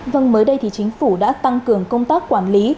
vâng mới đây thì chính phủ đã tăng cường công tác quản lý